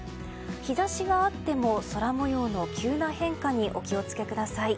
日差しがあっても空模様の急な変化にお気を付けください。